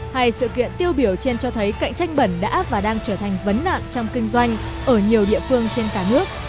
hai sự kiện tiêu biểu trên cho thấy cạnh tranh bẩn đã và đang trở thành vấn nạn trong kinh doanh ở nhiều địa phương trên cả nước